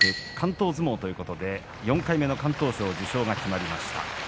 敢闘相撲ということで４回目の敢闘賞受賞が決まりました。